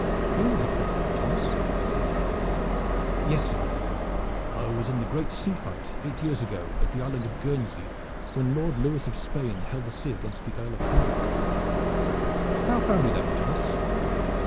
"You have fought them, Thomas?" said he. "Yes, sire, I was in the great sea fight eight years ago at the Island of Guernsey, when Lord Lewis of Spain held the sea against the Earl of Pembroke." "How found you them, Thomas?"